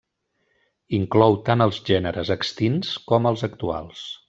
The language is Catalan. Inclou tant els gèneres extints com els actuals.